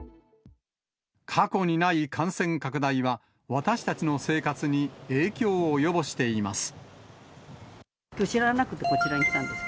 過去にない感染拡大は、私たちの生活に影響を及ぼしています。